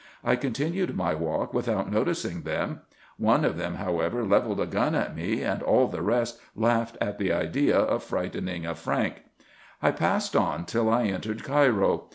I continued my walk without noticing them ; one of them, however, levelled a gun at me, and all the rest laughed at the idea of frightening a Frank. I passed on till I entered Cairo.